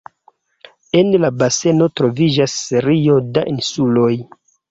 En la baseno troviĝas serio da insuloj.